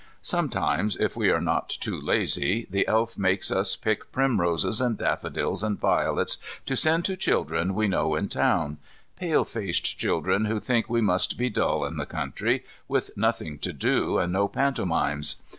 Sometimes, if we are not too lazy, the Elf makes us pick primroses and daffodils and violets to send to children we know in town pale faced children who think we must be dull in the country, with nothing to do, and no pantomimes.